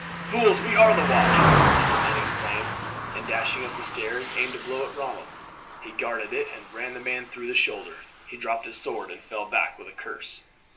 "Fools! We are the watch," one of the men exclaimed, and, dashing up the stairs, aimed a blow at Ronald. He guarded it and ran the man through the shoulder. He dropped his sword and fell back with a curse.